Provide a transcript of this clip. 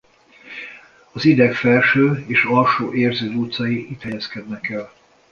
Az ideg felső és alsó érző dúcai itt helyezkednek el.